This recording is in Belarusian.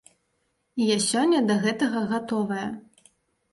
І я сёння да гэтага гатовая.